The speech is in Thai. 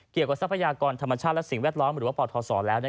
ทรัพยากรธรรมชาติและสิ่งแวดล้อมหรือว่าปทศแล้ว